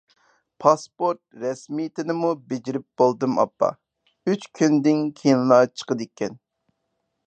پاسپورت رەسمىيىتىنىمۇ بېجىرىپ بولدۇم ئاپا، ئۈچ كۈندىن كېيىنلا چىقىدىكەن.